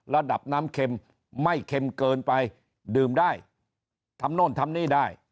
ระดับน้ำเข็มไม่เค็มเกินไปดื่มได้ทำโน่นทำนี่ได้